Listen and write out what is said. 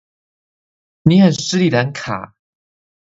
你很失禮蘭卡